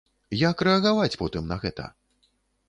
Як рэагаваць потым на гэта?